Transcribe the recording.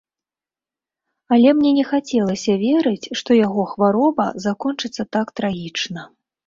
Але мне не хацелася верыць, што яго хвароба закончыцца так трагічна.